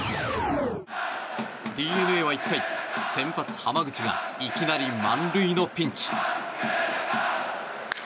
ＤｅＮＡは１回先発、濱口がいきなり満塁のピンチ。